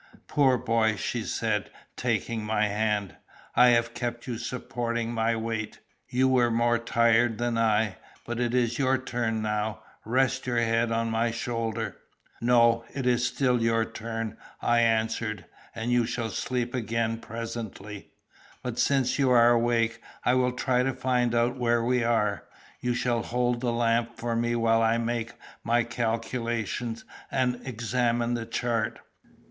"Poor boy!" she said, taking my hand, "I have kept you supporting my weight. You were more tired than I. But it is your turn now. Rest your head on my shoulder." "No, it is still your turn," I answered, "and you shall sleep again presently. But since you are awake, I will try to find out where we are. You shall hold the lamp for me while I make my calculations, and examine the chart."